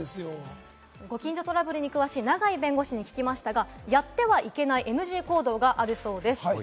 ご近所トラブルに詳しい、長井弁護士に聞きましたが、やってはいけないＮＣ行動があるそうです。